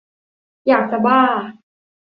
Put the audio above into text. อยากจะบ้า